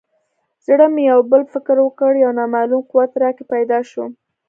زړه مې یو بل فکر وکړ یو نامعلوم قوت راکې پیدا شو.